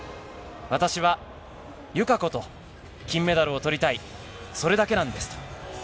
私は友香子と金メダルをとりたい、それだけなんですと。